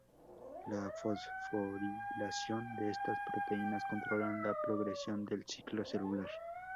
La fosforilación de estas proteínas controlan la progresión del ciclo celular.